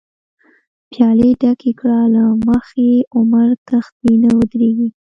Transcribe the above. پیالی ډکی کړه له مخی، عمر تښتی نه ودریږی